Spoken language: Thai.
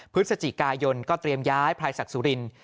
พฤศจิกายนก็เตรียมย้ายพลายศักดิ์สุริน